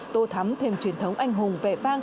tô thắm thêm truyền thống anh hùng vẹ vang